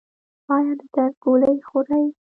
ایا د درد ګولۍ خورئ؟